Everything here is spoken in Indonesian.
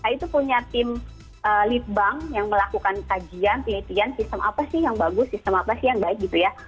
itu punya tim lead bank yang melakukan kajian penelitian sistem apa sih yang bagus sistem apa sih yang baik gitu ya